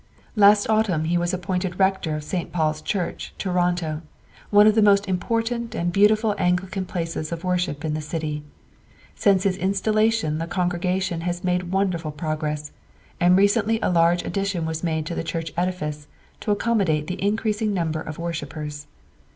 Last autumn he was appointed rector of St. Paul's Church, Toronto, one of the most important and beautiful Anglican places of worship in the city. Since his installation the congregation has made wonderful progress, and recently a large addition was made to the church edifice to accommodate the increasing numbers of worshippers.